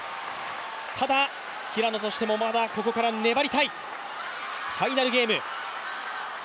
ただ、平野としてもここからまだ粘りたい、ファイナルゲーム。